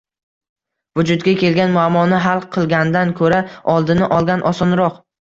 “Vujudga kelgan muammoni hal qilgandan ko‘ra, oldini olgan osonroq”